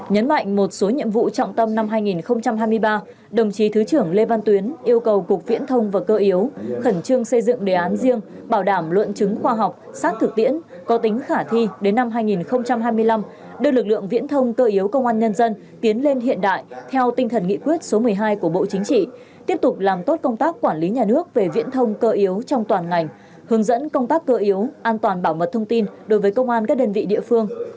nhấn mạnh một số nhiệm vụ trọng tâm năm hai nghìn hai mươi ba đồng chí thứ trưởng lê văn tuyến yêu cầu cục viễn thông và cơ yếu khẩn trương xây dựng đề án riêng bảo đảm luận chứng khoa học xác thực tiễn có tính khả thi đến năm hai nghìn hai mươi năm đưa lực lượng viễn thông cơ yếu công an nhân dân tiến lên hiện đại theo tinh thần nghị quyết số một mươi hai của bộ chính trị tiếp tục làm tốt công tác quản lý nhà nước về viễn thông cơ yếu trong toàn ngành hướng dẫn công tác cơ yếu an toàn bảo mật thông tin đối với công an các đơn vị địa phương